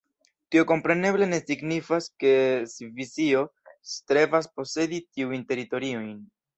Tio kompreneble ne signifas, ke Svisio strebas posedi tiujn teritoriojn.